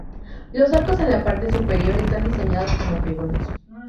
Los Arcos en la parte superior están diseñados como tribunas.